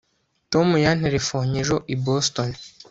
tom yanterefonnye ejo i boston